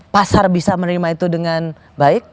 pasar bisa menerima itu dengan baik